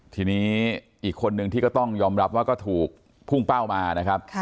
ทีนี้อีกคนนึงที่ก็ต้องยอมรับว่าก็ถูกพุ่งเป้ามานะครับ